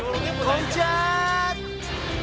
こんにちはー！